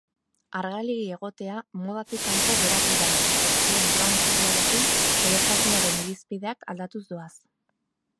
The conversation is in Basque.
Argalegi egotea modatik kanpo geratu da eta urteen joan-etorriarekin edertasunaren irizpideak aldatuz doaz.